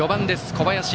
小林。